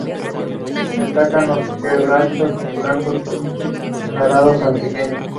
Destacan los quebrachos blanco y colorado santiagueño.